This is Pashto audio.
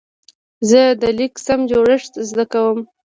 زه د لیک سم جوړښت زده کوم.